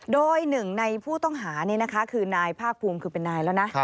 โดยหนึ่งในผู้ต้องหานี่นายพากภูมิคือเป็นนายละนะ